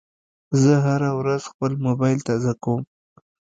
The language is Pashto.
زه هره ورځ خپل موبایل تازه کوم.